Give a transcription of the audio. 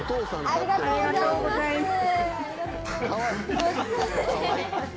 ありがとうございます！